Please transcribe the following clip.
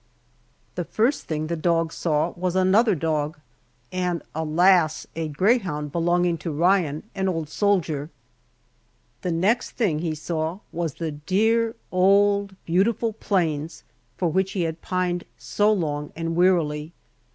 The first thing the dog saw was another dog, and alas! a greyhound belonging to Ryan, an old soldier. The next thing he saw was the dear, old, beautiful plains, for which he had pined so long and wearily.